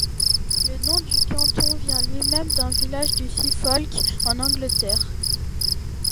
Le nom du canton vient lui-même d'un village du Suffolk en Angleterre.